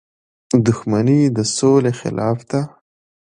• دښمني د سولې خلاف ده.